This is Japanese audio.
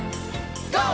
ＧＯ！